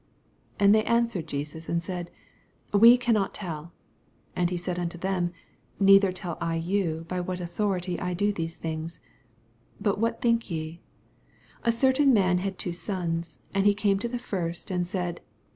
27 And they answered Jesus, and said, We cannot tell. And he said unto them, Neither tell I you by what authority I do these thing.i« 28 But what think ye ? A certain man had two sons ; and he came to the first, and said.